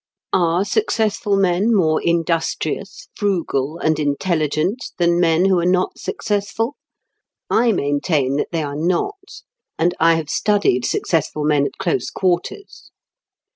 Are successful men more industrious, frugal, and intelligent than men who are not successful? I maintain that they are not, and I have studied successful men at close quarters.